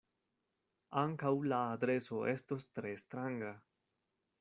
Ankaŭ la adreso estos tre stranga.